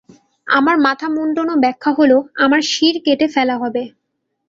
আমার মাথা মুণ্ডানোর ব্যাখ্যা হল, আমার শির কেটে ফেলা হবে।